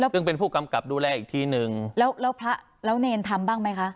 ซึ่งเป็นผู้กำกับดูแลอีกทีหนึ่งแล้วแล้วพระแล้วเนรทำบ้างไหมคะ